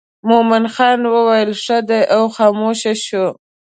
مومن خان ویل ښه دی او خاموش شو.